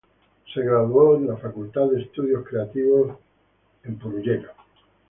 Se graduó de la Facultad de Estudios Creativos en Detroit.